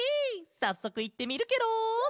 さっそくいってみるケロ。